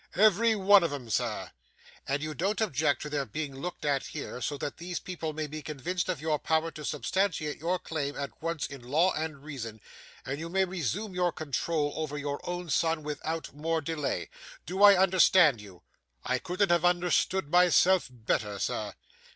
'Every one of 'em, sir.' 'And you don't object to their being looked at here, so that these people may be convinced of your power to substantiate your claim at once in law and reason, and you may resume your control over your own son without more delay. Do I understand you?' 'I couldn't have understood myself better, sir.